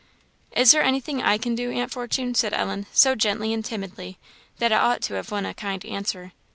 "Is there anything I can do, Aunt Fortune?" said Ellen, so gently and timidly, that it ought to have won a kind answer.